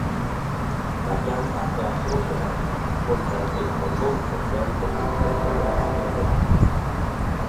La pianta è a croce latina, con transetto non sporgente rispetto alle navate laterali.